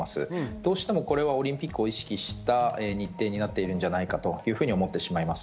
どうしてもこれはオリンピックを意識した日程になっているんじゃないかというふうに思ってしまいます。